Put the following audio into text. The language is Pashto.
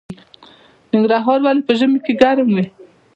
ننګرهار ولې په ژمي کې ګرم وي؟